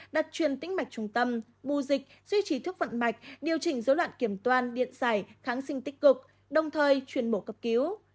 đặt truyền tính mạch trung tâm bù dịch duy trì thức vận mạch điều chỉnh dấu loạn kiểm toan điện xảy kháng sinh tích cực đồng thời truyền bộ cấp cứu